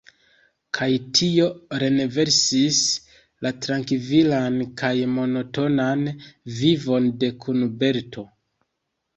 Kaj tio renversis la trankvilan kaj monotonan vivon de Kuniberto.